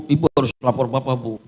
ibu harus lapor bapak bu